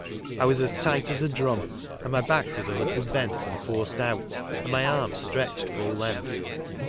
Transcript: I was a7 ti ht as a drum, and my back was a little bent and forced out and my a „ns stretched full length.